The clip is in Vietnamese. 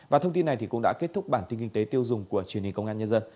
và thông tin này cũng đã kết thúc bản tin kinh tế tiêu dùng của truyền hình công an nhân dân